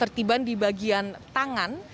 tertiban di bagian tangan